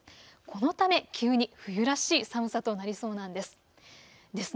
このため急に冬らしい寒さとなりそうなんです。